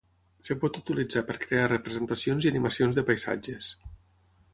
Es pot utilitzar per crear representacions i animacions de paisatges.